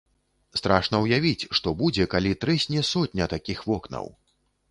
Страшна ўявіць, што будзе, калі трэсне сотня такіх вокнаў.